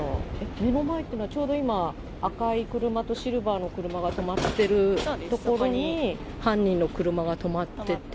目の前っていうのは、ちょうど今、赤い車とシルバーの車が止まってる所に犯人の車が止まってて。